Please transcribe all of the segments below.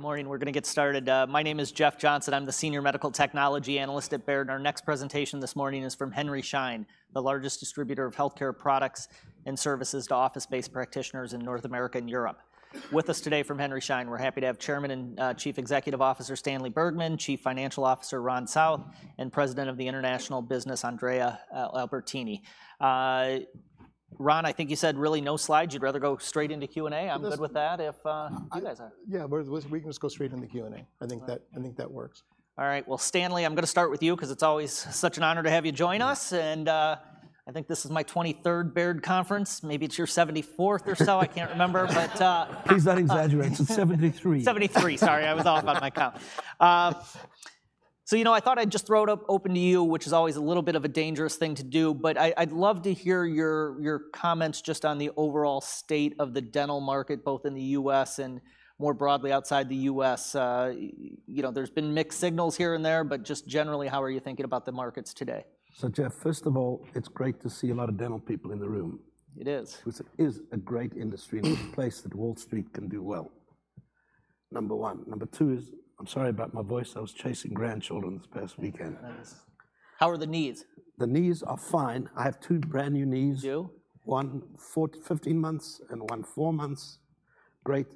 Good morning, we're gonna get started. My name is Jeff Johnson. I'm the senior medical technology analyst at Baird, and our next presentation this morning is from Henry Schein, the largest distributor of healthcare products and services to office-based practitioners in North America and Europe. With us today from Henry Schein, we're happy to have Chairman and Chief Executive Officer Stanley Bergman, Chief Financial Officer Ron South, and President of the International Business, Andrea Albertini. Ron, I think you said really no slides, you'd rather go straight into Q&A? I'm good I'm good with that if you guys are. Yeah, we can just go straight into the Q&A. All right. I think that works. All right. Well, Stanley, I'm gonna start with you, 'cause it's always such an honor to have you join us. Yes. And, I think this is my twenty-third Baird conference, maybe it's your seventy-fourth or so. I can't remember. But, Please don't exaggerate, it's seventy-three. Seventy-three, sorry, I was off on my count. So, you know, I thought I'd just throw it open to you, which is always a little bit of a dangerous thing to do, but I'd love to hear your comments just on the overall state of the dental market, both in the U.S. and more broadly, outside the U.S. You know, there's been mixed signals here and there, but just generally, how are you thinking about the markets today? So, Jeff, first of all, it's great to see a lot of dental people in the room. It is. Which it is a great industry, and a place that Wall Street can do well, number one. Number two is, I'm sorry about my voice, I was chasing grandchildren this past weekend. Nice. How are the knees? The knees are fine, I have two brand-new knees. Do you? One, 14, 15 months, and one, four months. Great,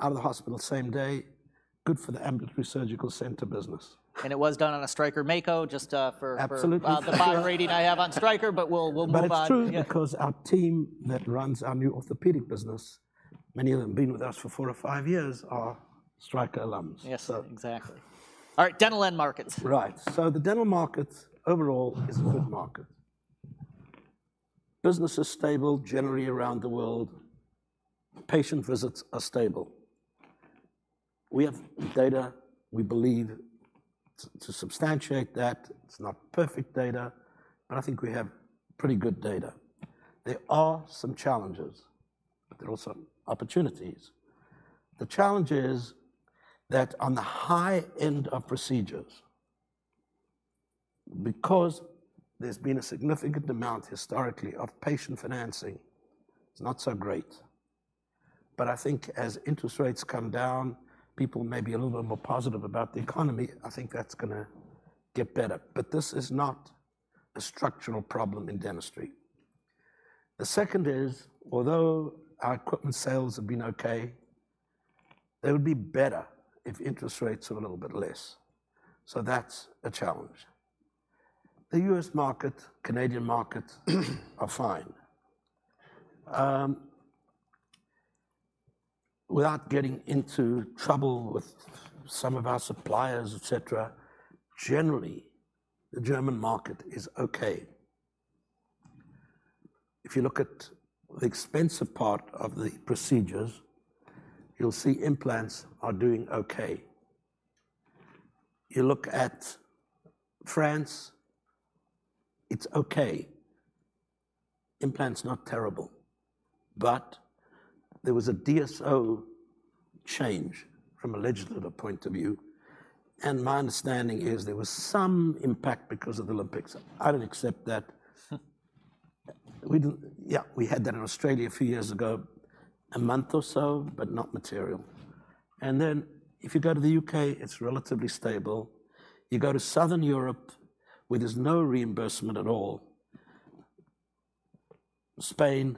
out of the hospital same day, good for the ambulatory surgical center business. And it was done on a Stryker Mako, just for Absolutely. the buy rating I have on Stryker, but we'll move on. But it's true because our team that runs our new orthopedic business, many of them been with us for four or five years, are Stryker alums. Yes, sir. So. Exactly. All right, dental end markets. Right, so the dental market overall is a good market. Business is stable generally around the world, patient visits are stable. We have data we believe to substantiate that. It's not perfect data, but I think we have pretty good data. There are some challenges, but there are also opportunities. The challenge is that on the high end of procedures, because there's been a significant amount historically of patient financing, it's not so great. But I think as interest rates come down, people may be a little bit more positive about the economy, I think that's gonna get better. But this is not a structural problem in dentistry. The second is, although our equipment sales have been okay, they would be better if interest rates were a little bit less, so that's a challenge. The U.S. market, Canadian market, are fine. Without getting into trouble with some of our suppliers, et cetera, generally, the German market is okay. If you look at the expensive part of the procedures, you'll see implants are doing okay. You look at France, it's okay, implants, not terrible. But there was a DSO change from a legislative point of view, and my understanding is there was some impact because of the Olympics. I don't accept that. We do, yeah, we had that in Australia a few years ago, a month or so, but not material. Then, if you go to the UK, it's relatively stable. You go to Southern Europe, where there's no reimbursement at all, Spain,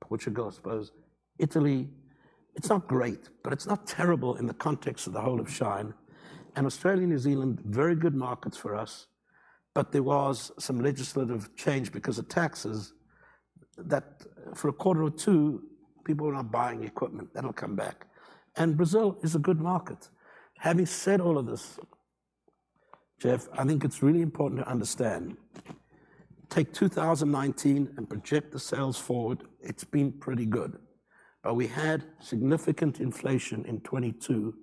Portugal, I suppose, Italy, it's not great, but it's not terrible in the context of the whole of Schein. And Australia, New Zealand, very good markets for us, but there was some legislative change because of taxes, that for a quarter or two, people were not buying equipment. That'll come back. And Brazil is a good market. Having said all of this, Jeff, I think it's really important to understand: take 2019 and project the sales forward, it's been pretty good. But we had significant inflation in 2022,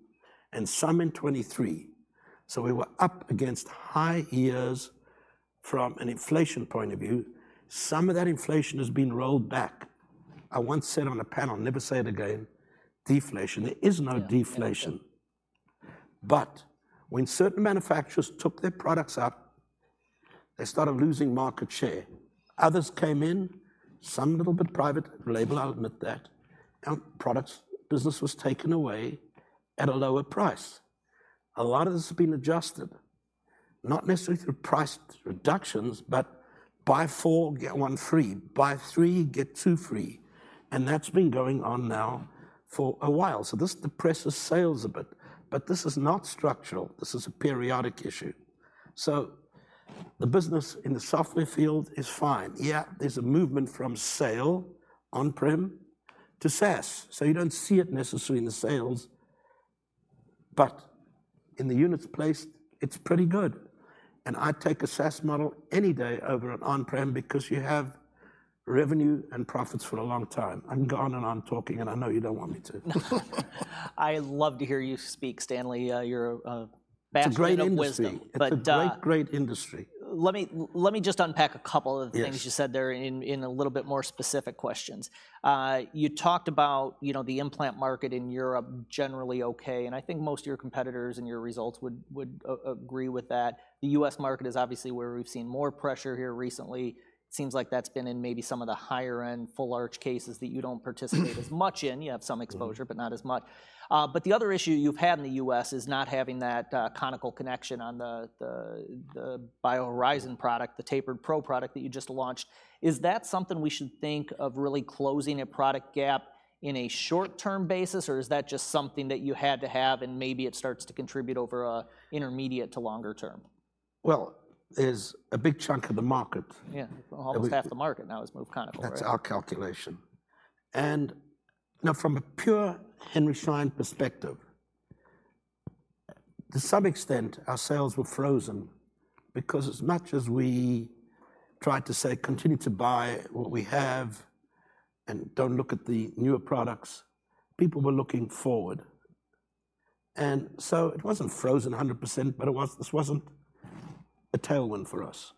and some in 2023, so we were up against high years from an inflation point of view. Some of that inflation has been rolled back. I once said on a panel, never say it again, "Deflation," there is no deflation. Yeah, no. But when certain manufacturers took their products out, they started losing market share. Others came in, some little bit private label, I'll admit that, and products business was taken away at a lower price. A lot of this has been adjusted, not necessarily through price reductions, but buy four, get one free, buy three, get two free, and that's been going on now for a while, so this depresses sales a bit. But this is not structural, this is a periodic issue. So the business in the software field is fine. Yeah, there's a movement from sale on-prem to SaaS, so you don't see it necessarily in the sales, but in the units placed, it's pretty good. And I'd take a SaaS model any day over an on-prem because you have revenue and profits for a long time. I'm going on and on talking, and I know you don't want me to. I love to hear you speak, Stanley. You're a fountain of wisdom. It's a great industry. But, uh It's a great, great industry. Let me just unpack a couple of the- Yes things you said there in, in a little bit more specific questions. You talked about, you know, the implant market in Europe, generally okay, and I think most of your competitors and your results would agree with that. The U.S. market is obviously where we've seen more pressure here recently. Seems like that's been in maybe some of the higher-end, full arch cases that you don't participate as much in. You have some exposure Mm but not as much. But the other issue you've had in the U.S. is not having that conical connection on the BioHorizons product, the Tapered Pro product that you just launched. Is that something we should think of really closing a product gap in a short-term basis, or is that just something that you had to have, and maybe it starts to contribute over a intermediate to longer term? There's a big chunk of the market Yeah. It would- Almost half the market now is moved conical, right? That's our calculation. And now, from a pure Henry Schein perspective, to some extent, our sales were frozen. Because as much as we tried to say, "Continue to buy what we have and don't look at the newer products," people were looking forward. And so it wasn't frozen 100%, but it was, this wasn't a tailwind for us.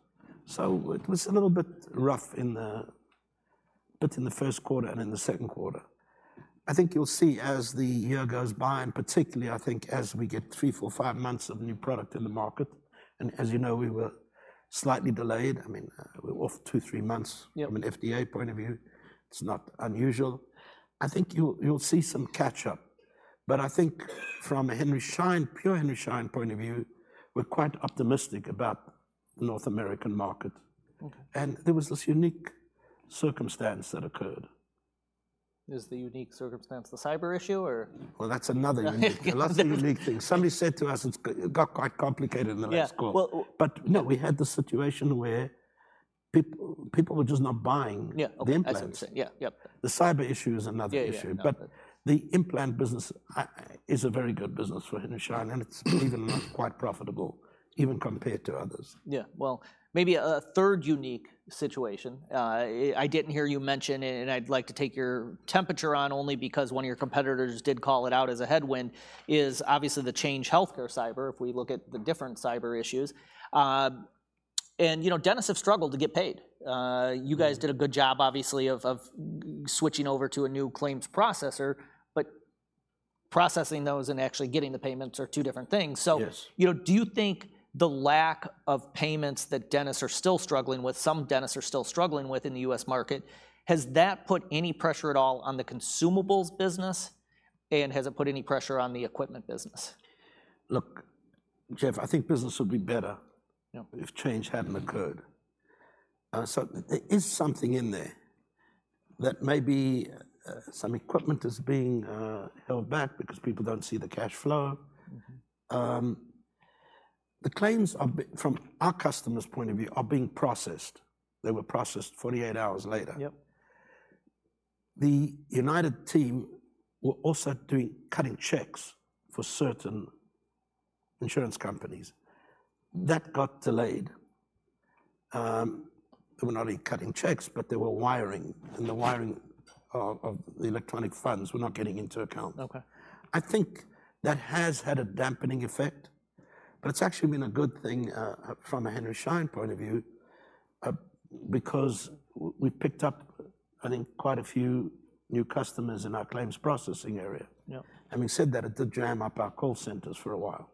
So it was a little bit rough in the first quarter and in the second quarter. I think you'll see, as the year goes by, and particularly, I think, as we get three, four, five months of new product in the market. And as you know, we were slightly delayed. I mean, we're off two, three months. Yep. From an FDA point of view, it's not unusual. I think you'll see some catch-up. But I think from a Henry Schein, pure Henry Schein point of view, we're quite optimistic about the North American market. Okay. There was this unique circumstance that occurred. Is the unique circumstance the cyber issue, or? Well, that's another unique lots of unique things. Somebody said to us, "It got quite complicated in the last quarter. Yeah, well, But no, we had this situation where people were just not buying. Yeah, okay the implants. As I said. Yeah, yep. The cyber issue is another issue. Yeah, yeah. No. But the implant business is a very good business for Henry Schein, and it's even quite profitable, even compared to others. Yeah. Well, maybe a third unique situation. I didn't hear you mention, and I'd like to take your temperature on, only because one of your competitors did call it out as a headwind, is obviously the Change Healthcare cyber, if we look at the different cyber issues, and you know, dentists have struggled to get paid. Mm you guys did a good job, obviously, of switching over to a new claims processor. But processing those and actually getting the payments are two different things. Yes. So, you know, do you think the lack of payments that dentists are still struggling with, some dentists are still struggling with in the U.S. market, has that put any pressure at all on the consumables business? And has it put any pressure on the equipment business? Look, Jeff, I think business would be better- Yep... if Change hadn't occurred. So there is something in there, that maybe some equipment is being held back because people don't see the cash flow. Mm-hmm. The claims are, from our customers' point of view, being processed. They were processed 48 hours later. Yep. The United team were also doing, cutting checks for certain insurance companies. That got delayed. They were not only cutting checks, but they were wiring, and the wiring of the electronic funds were not getting into accounts. Okay. I think that has had a dampening effect, but it's actually been a good thing from a Henry Schein point of view, because we've picked up, I think, quite a few new customers in our claims processing area. Yep. Having said that, it did jam up our call centers for a while.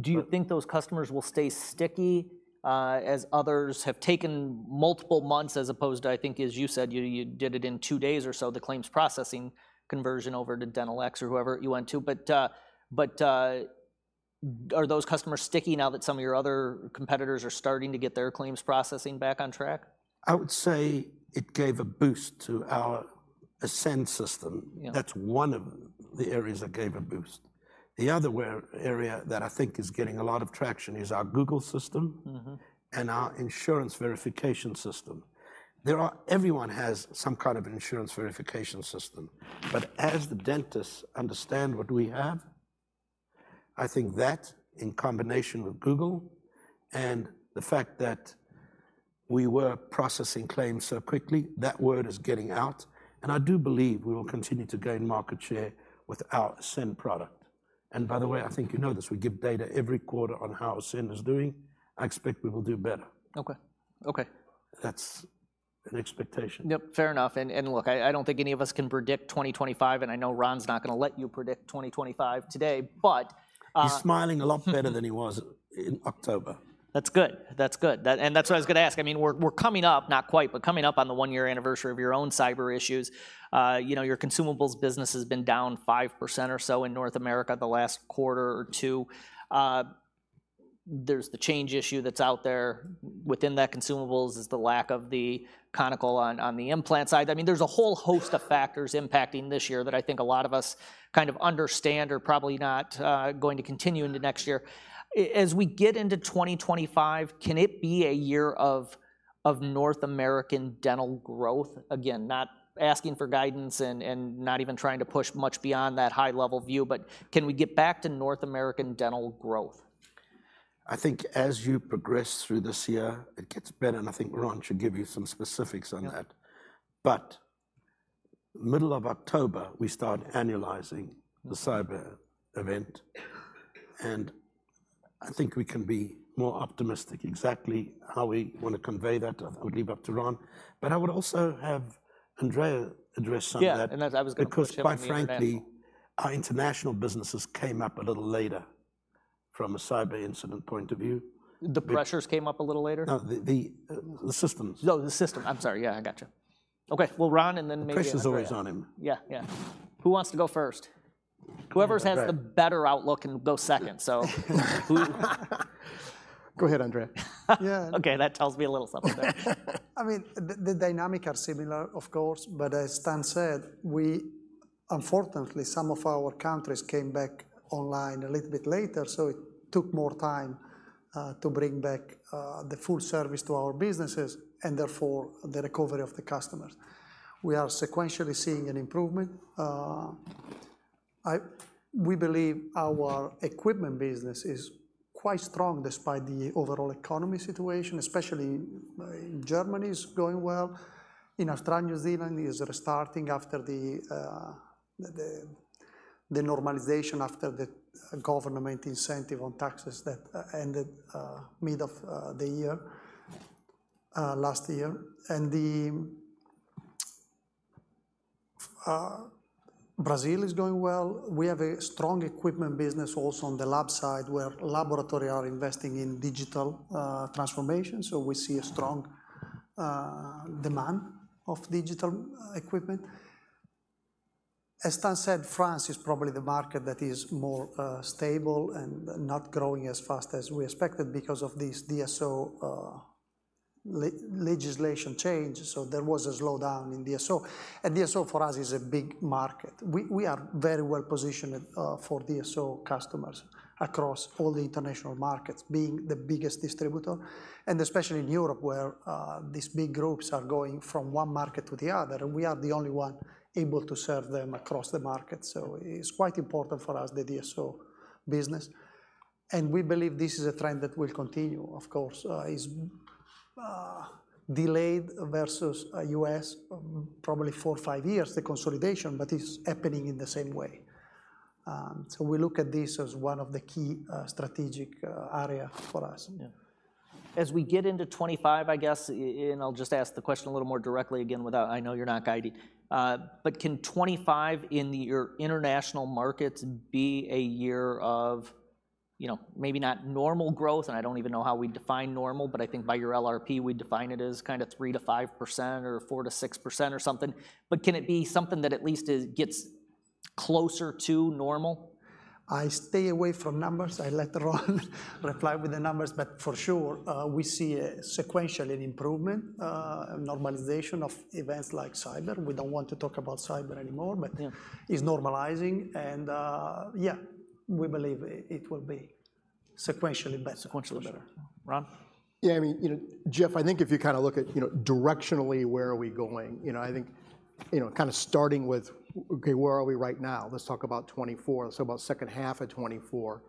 Do you think those customers will stay sticky, as others have taken multiple months, as opposed to, I think, as you said, you did it in two days or so, the claims processing conversion over to Dentrix or whoever you went to. But, are those customers sticky now that some of your other competitors are starting to get their claims processing back on track? I would say it gave a boost to our Ascend system. Yeah. That's one of the areas that gave a boost. The other area that I think is getting a lot of traction is our Google system and our insurance verification system. There are. Everyone has some kind of an insurance verification system, but as the dentists understand what we have, I think that, in combination with Google, and the fact that we were processing claims so quickly, that word is getting out, and I do believe we will continue to gain market share with our Ascend product. And by the way, I think you know this, we give data every quarter on how Ascend is doing. I expect we will do better. Okay. Okay. That's an expectation. Yep, fair enough. And look, I don't think any of us can predict twenty twenty-five, and I know Ron's not gonna let you predict twenty twenty-five today, but- He's smiling a lot better than he was in October. That's good, that's good. That, and that's what I was gonna ask. I mean, we're coming up, not quite, but coming up on the one-year anniversary of your own cyber issues. You know, your consumables business has been down 5% or so in North America the last quarter or two. There's the Change issue that's out there. Within that consumables is the lack of the conical on the implant side. I mean, there's a whole host of factors impacting this year that I think a lot of us kind of understand are probably not going to continue into next year. As we get into twenty twenty-five, can it be a year of North American dental growth? Again, not asking for guidance and, not even trying to push much beyond that high-level view, but can we get back to North American dental growth? I think as you progress through this year, it gets better, and I think Ron should give you some specifics on that. Yeah. But middle of October, we start annualizing the cyber event. And I think we can be more optimistic. Exactly how we wanna convey that, I would leave up to Ron. But I would also have Andrea address some of that. Yeah, and that, I was gonna push him and then- 'Cause quite frankly, our international businesses came up a little later from a cyber incident point of view. The pressures came up a little later? No, the systems. No, the system. I'm sorry, yeah, I gotcha. Okay, well, Ron, and then maybe Andrea. The pressure's always on him. Yeah, yeah. Who wants to go first? Whoever has the better outlook can go second, so Go ahead, Andrea. Yeah, okay, that tells me a little something there. I mean, the dynamic are similar, of course, but as Stan said, we unfortunately, some of our countries came back online a little bit later, so it took more time to bring back the full service to our businesses and therefore, the recovery of the customers. We are sequentially seeing an improvement. We believe our equipment business is quite strong despite the overall economy situation, especially in Germany is going well. In Australia, New Zealand is restarting after the normalization after the government incentive on taxes that ended mid of the year last year, and Brazil is going well. We have a strong equipment business also on the lab side, where laboratory are investing in digital transformation, so we see a strong demand of digital equipment. As Stan said, France is probably the market that is more stable and not growing as fast as we expected because of this DSO legislation change, so there was a slowdown in DSO. And DSO, for us, is a big market. We are very well positioned for DSO customers across all the international markets, being the biggest distributor, and especially in Europe, where these big groups are going from one market to the other, and we are the only one able to serve them across the market. So it's quite important for us, the DSO business, and we believe this is a trend that will continue, of course. It's delayed versus U.S., probably four or five years, the consolidation, but it's happening in the same way. So we look at this as one of the key strategic area for us. Yeah. As we get into 2025, I guess, and I'll just ask the question a little more directly again, without... I know you're not guiding. But can 2025 in your international markets be a year of, you know, maybe not normal growth, and I don't even know how we'd define normal, but I think by your LRP, we'd define it as kind of 3-5% or 4-6% or something. But can it be something that at least is, gets closer to normal? I stay away from numbers. I let Ron reply with the numbers, but for sure, we see a sequentially improvement, and normalization of events like cyber. We don't want to talk about cyber anymore, but it's normalizing, and, yeah, we believe it will be sequentially better. Sequentially better. Ron? Yeah, I mean, you know, Jeff, I think if you kinda look at, you know, directionally, where are we going, you know, I think, you know, kinda starting with, okay, where are we right now? Let's talk about 2024, so about second half of 2024.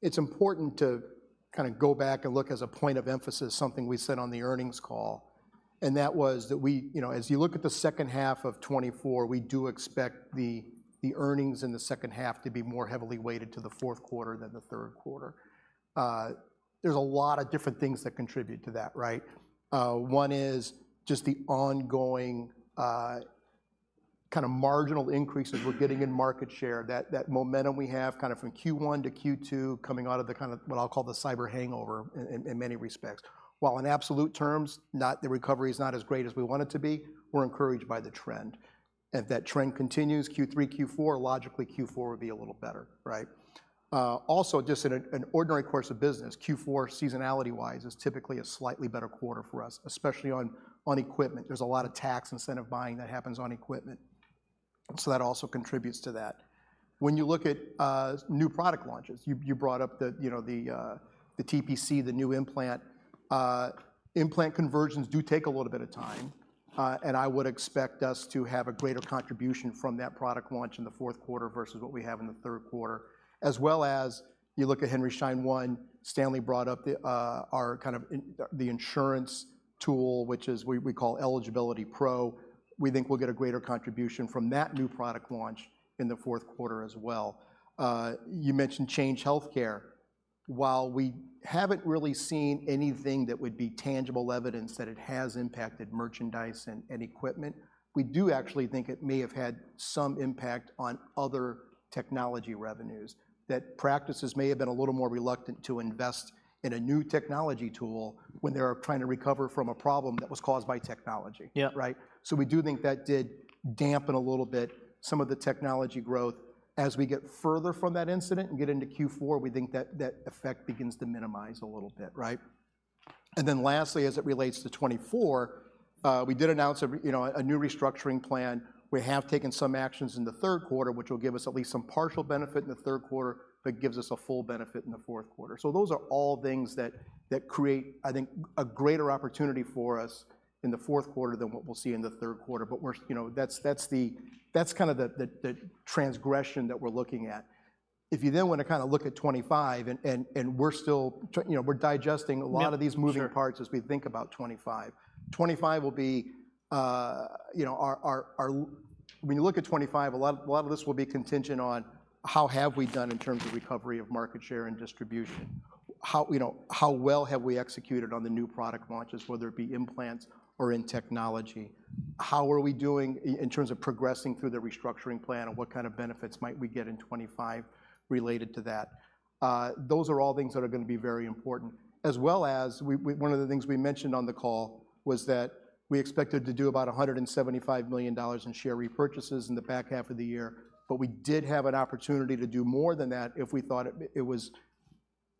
It's important to kinda go back and look as a point of emphasis, something we said on the earnings call, and that was that we, you know, as you look at the second half of 2024, we do expect the earnings in the second half to be more heavily weighted to the fourth quarter than the third quarter. There's a lot of different things that contribute to that, right? One is just the ongoing, kind of marginal increases we're getting in market share, that momentum we have kind of from Q1 to Q2, coming out of the kind of, what I'll call the cyber hangover in many respects. While in absolute terms, not... the recovery is not as great as we want it to be, we're encouraged by the trend. If that trend continues, Q3, Q4, logically, Q4 would be a little better, right? Also, just in an ordinary course of business, Q4, seasonality-wise, is typically a slightly better quarter for us, especially on equipment. There's a lot of tax incentive buying that happens on equipment, so that also contributes to that. When you look at new product launches, you brought up the, you know, the Tapered Pro, the new implant. Implant conversions do take a little bit of time, and I would expect us to have a greater contribution from that product launch in the fourth quarter versus what we have in the third quarter. As well as you look at Henry Schein One, Stanley brought up the our kind of in, the insurance tool, which is we call Eligibility Pro. We think we'll get a greater contribution from that new product launch in the fourth quarter as well. You mentioned Change Healthcare. While we haven't really seen anything that would be tangible evidence that it has impacted merchandise and equipment, we do actually think it may have had some impact on other technology revenues, that practices may have been a little more reluctant to invest in a new technology tool when they're trying to recover from a problem that was caused by technology. Yeah. Right? So we do think that did dampen a little bit some of the technology growth. As we get further from that incident and get into Q4, we think that that effect begins to minimize a little bit, right? And then lastly, as it relates to '24, we did announce a re- you know, a new restructuring plan. We have taken some actions in the third quarter, which will give us at least some partial benefit in the third quarter, but gives us a full benefit in the fourth quarter. So those are all things that create, I think, a greater opportunity for us in the fourth quarter than what we'll see in the third quarter, but we're... You know, that's kind of the transgression that we're looking at. If you then wanna kinda look at twenty-five, and we're still, you know, we're digesting a lot- Yeah, sure Of these moving parts as we think about 2025. 2025 will be, you know, when you look at 2025, a lot, a lot of this will be contingent on how have we done in terms of recovery of market share and distribution? How, you know, how well have we executed on the new product launches, whether it be implants or in technology? How are we doing in terms of progressing through the restructuring plan, and what kind of benefits might we get in 2025 related to that? Those are all things that are gonna be very important, as well as we, one of the things we mentioned on the call was that we expected to do about $175 million in share repurchases in the back half of the year, but we did have an opportunity to do more than that if we thought it was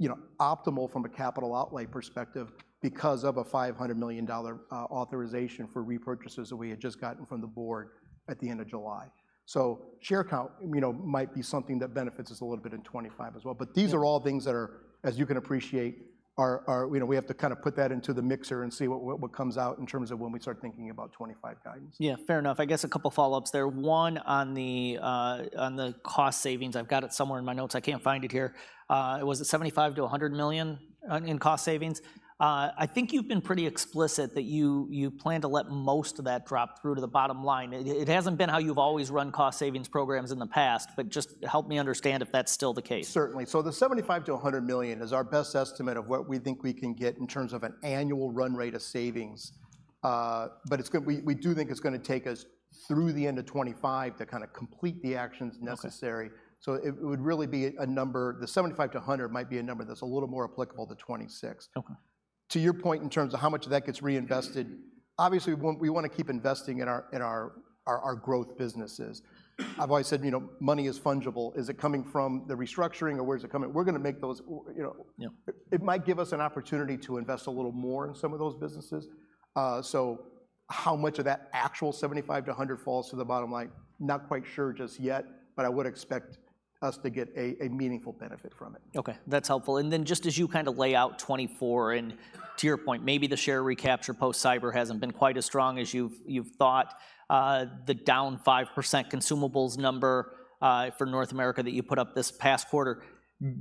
you know, optimal from a capital outlay perspective because of a $500 million authorization for repurchases that we had just gotten from the board at the end of July. So share count, you know, might be something that benefits us a little bit in 2025 as well. But these are all things that are, as you can appreciate, you know, we have to kind of put that into the mixer and see what comes out in terms of when we start thinking about 2025 guidance. Yeah, fair enough. I guess a couple follow-ups there. One, on the cost savings, I've got it somewhere in my notes, I can't find it here. Was it $75-$100 million in cost savings? I think you've been pretty explicit that you plan to let most of that drop through to the bottom line. It hasn't been how you've always run cost savings programs in the past, but just help me understand if that's still the case. Certainly. So the $75 million-$100 million is our best estimate of what we think we can get in terms of an annual run rate of savings. But we, we do think it's gonna take us through the end of 2025 to kind of complete the actions necessary. Okay. So it would really be a number. The seventy-five to a hundred might be a number that's a little more applicable to twenty-six. Okay. To your point, in terms of how much of that gets reinvested, obviously, we want, we wanna keep investing in our growth businesses. I've always said, you know, money is fungible. Is it coming from the restructuring, or where is it coming? We're gonna make those, you know- Yeah. It might give us an opportunity to invest a little more in some of those businesses. So how much of that actual $75-$100 falls to the bottom line? Not quite sure just yet, but I would expect us to get a, a meaningful benefit from it. Okay, that's helpful. And then, just as you kind of lay out twenty-four, and to your point, maybe the share recapture post-cyber hasn't been quite as strong as you've thought. The down 5% consumables number for North America that you put up this past quarter,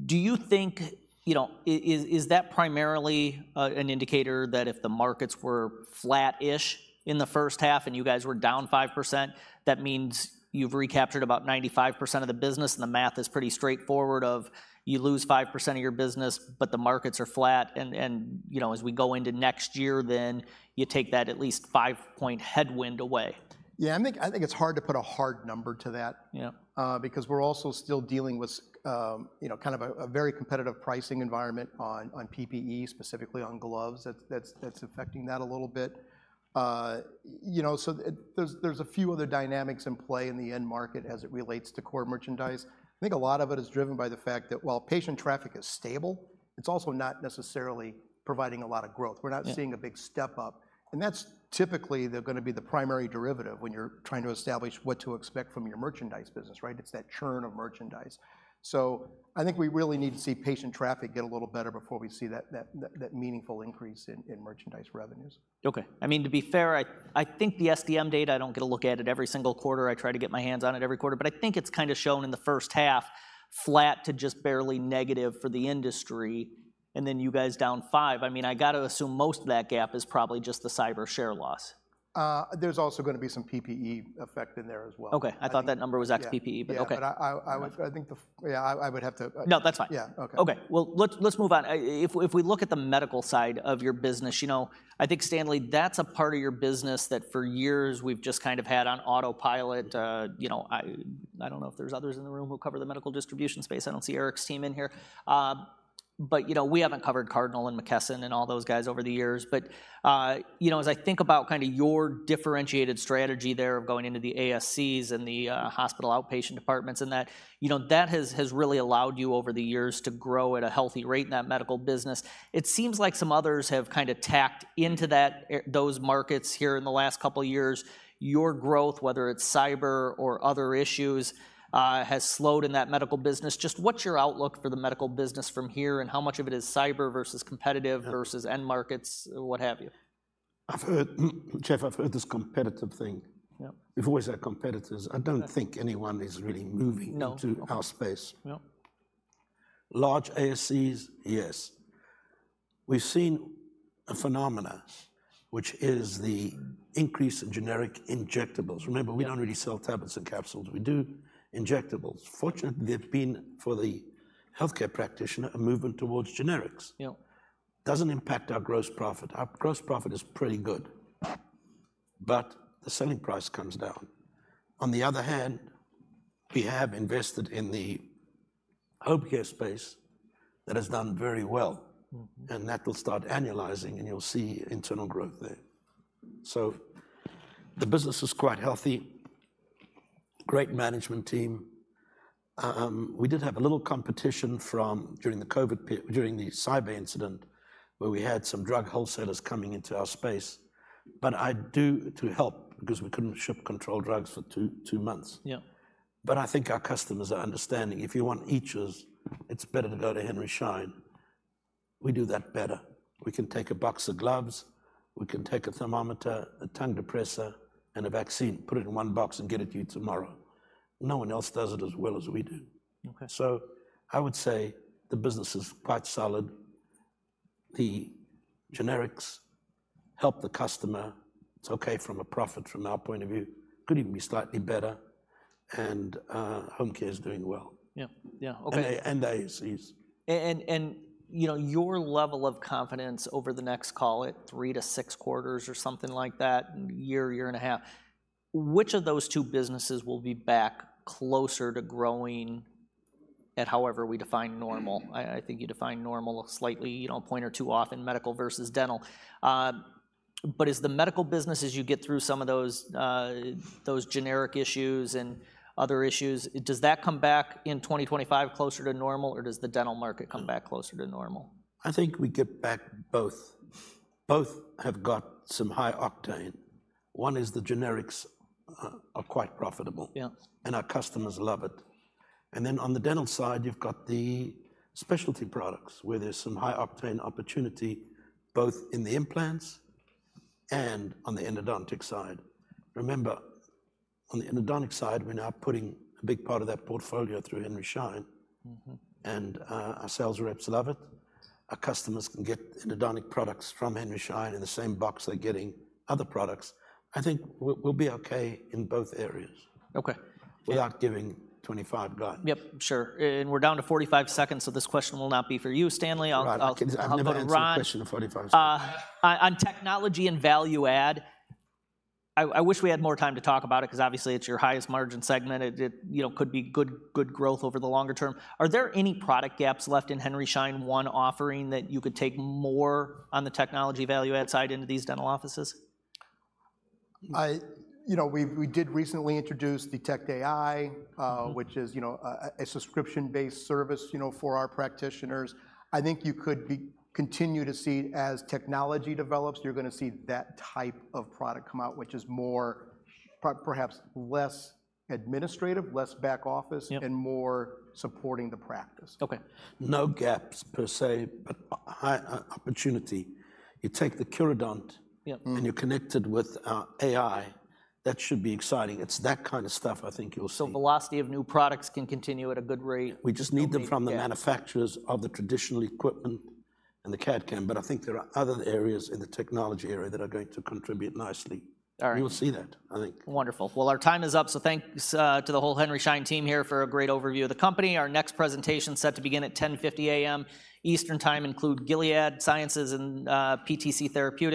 do you think, you know, is that primarily an indicator that if the markets were flat-ish in the first half, and you guys were down 5%, that means you've recaptured about 95% of the business, and the math is pretty straightforward of, you lose 5% of your business, but the markets are flat, and, you know, as we go into next year, then you take that at least five-point headwind away? Yeah, I think it's hard to put a hard number to that because we're also still dealing with, you know, kind of a very competitive pricing environment on PPE, specifically on gloves. That's affecting that a little bit. You know, so there's a few other dynamics in play in the end market as it relates to core merchandise. I think a lot of it is driven by the fact that while patient traffic is stable, it's also not necessarily providing a lot of growth. Yeah. We're not seeing a big step up, and that's typically gonna be the primary derivative when you're trying to establish what to expect from your merchandise business, right? It's that churn of merchandise. So I think we really need to see patient traffic get a little better before we see that meaningful increase in merchandise revenues. Okay. I mean, to be fair, I think the SDM data, I don't get a look at it every single quarter, I try to get my hands on it every quarter, but I think it's kinda shown in the first half, flat to just barely negative for the industry, and then you guys down five. I mean, I gotta assume most of that gap is probably just the cyber share loss. There's also gonna be some PPE effect in there as well. Okay, I thought that number was ex-PPE. Yeah. But okay. But I would, I think the. Yeah, I would have to. No, that's fine. Yeah, okay. Okay, well, let's move on. If we look at the medical side of your business, you know, I think, Stanley, that's a part of your business that, for years, we've just kind of had on autopilot. You know, I don't know if there's others in the room who cover the medical distribution space. I don't see Eric's team in here. But, you know, we haven't covered Cardinal and McKesson, and all those guys over the years. But, you know, as I think about kinda your differentiated strategy there of going into the ASCs and the hospital outpatient departments, and that, you know, that has really allowed you over the years to grow at a healthy rate in that medical business. It seems like some others have kinda tacked into that, those markets here in the last couple of years. Your growth, whether it's cyber or other issues, has slowed in that medical business. Just what's your outlook for the medical business from here, and how much of it is cyber versus competitive? versus end markets, what have you? I've heard, Jeff, I've heard this competitive thing. Yeah. We've always had competitors. Yeah. I don't think anyone is really moving No Into our space. Yeah. Large ASCs, yes. We've seen a phenomenon, which is the increase in generic injectables. Remember, we don't really sell tablets and capsules, we do injectables. Fortunately, there've been, for the healthcare practitioner, a movement towards generics. Yeah. Doesn't impact our gross profit. Our gross profit is pretty good, but the selling price comes down. On the other hand, we have invested in the homecare space that has done very well and that will start annualizing, and you'll see internal growth there. So the business is quite healthy, great management team. We did have a little competition from, during the cyber incident, where we had some drug wholesalers coming into our space. But I do, to help, because we couldn't ship controlled drugs for two months. Yeah. But I think our customers are understanding. If you want eaches, it's better to go to Henry Schein. We do that better. We can take a box of gloves, we can take a thermometer, a tongue depressor, and a vaccine, put it in one box, and get it to you tomorrow. No one else does it as well as we do. Okay. So I would say the business is quite solid. The generics help the customer. It's okay from a profit, from our point of view, could even be slightly better, and home care is doing well. Yeah. Yeah, okay. And ASCs. You know, your level of confidence over the next, call it, three to six quarters or something like that, a year and a half, which of those two businesses will be back closer to growing at however we define normal? I think you define normal slightly, you know, a point or two off in medical versus dental. But is the medical business, as you get through some of those, those generic issues and other issues, does that come back in twenty twenty-five closer to normal, or does the dental market come back closer to normal? I think we get back both. Both have got some high octane. One is the generics are quite profitable- Yeah And our customers love it. And then on the dental side, you've got the specialty products, where there's some high-octane opportunity, both in the implants and on the endodontic side. Remember, on the endodontic side, we're now putting a big part of that portfolio through Henry Schein. Our sales reps love it. Our customers can get endodontic products from Henry Schein in the same box they're getting other products. I think we'll be okay in both areas. Okay. without giving 2025 guidance. Yep, sure, and we're down to forty-five seconds, so this question will not be for you, Stanley. I'll- Right, I can. I've never answered a question in forty-five seconds. How about Ron? On technology and value add, I wish we had more time to talk about it, 'cause obviously it's your highest margin segment. It you know, could be good growth over the longer term. Are there any product gaps left in Henry Schein One offering that you could take more on the technology value add side into these dental offices? You know, we did recently introduce Detect AI, which is, you know, a subscription-based service, you know, for our practitioners. I think you could continue to see, as technology develops, you're gonna see that type of product come out, which is more, perhaps less administrative, less back office Yep And more supporting the practice. Okay. No gaps per se, but high opportunity. You take the Cadent Yep. And you connect it with AI, that should be exciting. It's that kind of stuff I think you'll see. So velocity of new products can continue at a good rate, no big gaps. We just need it from the manufacturers of the traditional equipment and the CAD/CAM, but I think there are other areas in the technology area that are going to contribute nicely. All right. You'll see that, I think. Wonderful. Our time is up, so thanks to the whole Henry Schein team here for a great overview of the company. Our next presentation is set to begin at 10:50 A.M. Eastern Time, include Gilead Sciences and PTC Therapeutics.